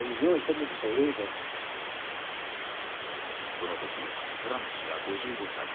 その時トランプ氏は５５歳。